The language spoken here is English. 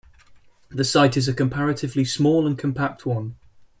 The site is a comparatively small and compact one.